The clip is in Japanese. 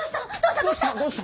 どうした？